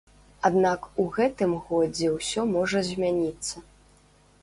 Аднак у гэтым годзе ўсё можа змяніцца.